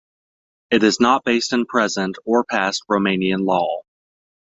It is not based in present or past Romanian law.